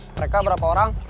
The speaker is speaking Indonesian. mereka berapa orang